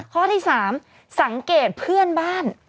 ข้อที่๓สังเกตเพื่อนบ้าน